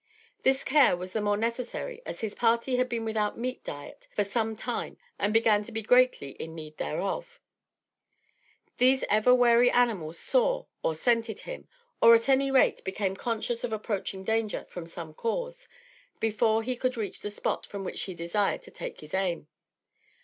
This care was the more necessary as his party had been without meat diet for some time and began to be greatly in need thereof. These ever wary animals saw, or scented him; or, at any rate, became conscious of approaching danger from some cause, before he could reach the spot from which he desired to take his aim.